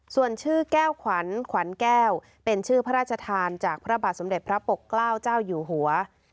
ส่วนชื่อแก้วขวัญขวัญแก้วเป็นชื่อพระราชทานจากพระบาทสมเด็จพระปกเกล้าเจ้าอยู่หัว